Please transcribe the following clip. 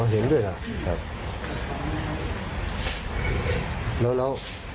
เห็นด้วยล่ะ